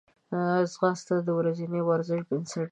ځغاسته د ورځني ورزش بنسټ دی